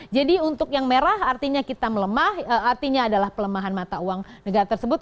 jadi untuk yang merah artinya kita melemah artinya adalah pelemahan mata uang negara tersebut